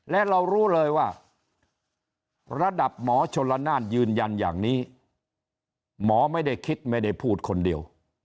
และเรารู้เลยว่าระดับหมอชนละนานยืนยันอย่างนี้หมอไม่ได้คิดไม่ได้พูดคนเดียว